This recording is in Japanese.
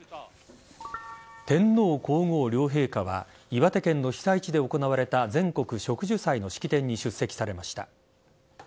天皇皇后両陛下は岩手県の被災地で行われた全国植樹祭の式典に出席されました。